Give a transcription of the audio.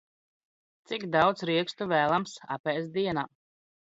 Cik daudz riekstu v?lams ap?st dien??